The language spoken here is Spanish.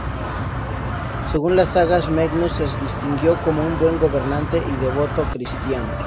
Según las sagas, Magnus se distinguió como un buen gobernante y devoto cristiano.